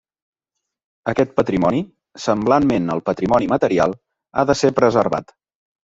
Aquest patrimoni, semblantment al patrimoni material, ha de ser preservat.